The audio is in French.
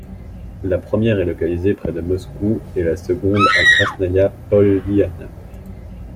La première est localisée près de Moscou et la seconde à Krasnaïa Poliana.